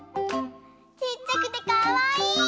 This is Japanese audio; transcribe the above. ちっちゃくてかわいい！